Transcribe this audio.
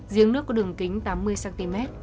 giếng nước có đường kính tám mươi cm